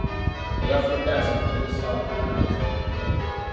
Eyafudde azikibwa essaawa munaana ez'olweggulo.